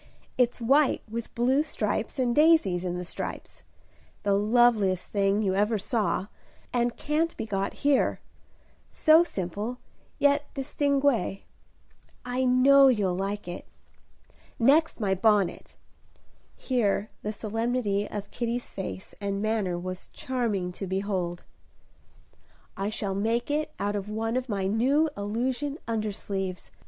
It's white with blue stripes and daisies in the stripes; the loveliest thing you ever saw, and can't be got here. So simple, yet distingué, I know you'll like it. Next, my bonnet," here the solemnity of Kitty's face and manner was charming to behold. "I shall make it out of one of my new illusion undersleeves.